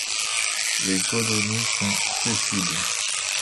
Les colonies sont sessiles.